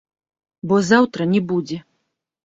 Бо заўтра не будзе.